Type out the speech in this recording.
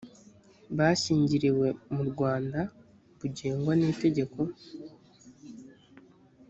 bashyingiriwe mu rwanda bugengwa n itegeko